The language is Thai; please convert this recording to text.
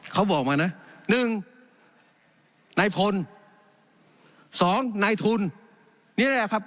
เขาบอกมานะหนึ่งนายพลสองนายทุนนี่แหละครับ